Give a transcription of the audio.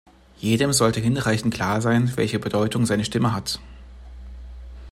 Jedem sollte hinreichend klar sein, welche Bedeutung seine Stimme hat.